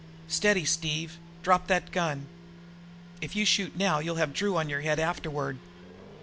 "Steady, Steve! Drop that gun! If you shoot now you'll have Drew on your head afterward."